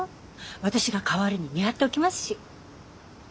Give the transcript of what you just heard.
私が代わりに見張っておきますし。